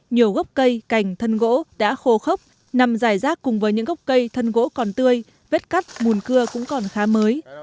nhiều gốc cây cành thân gỗ đã khô khốc nằm dài rác cùng với những gốc cây thân gỗ còn tươi vết cắt mùn cưa cũng còn khá mới